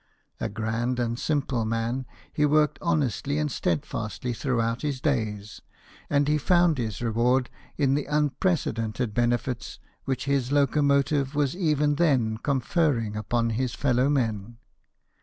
A grand and simple man, he worked honestly and steadfastly throughout his days, and he found his reward in the unprecedented benefits which his locomotive was even then conferring upon his fellow men.